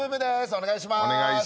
お願いします。